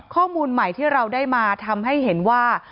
ข้อมูลใหม่ที่เราได้มาทำให้เห็นว่า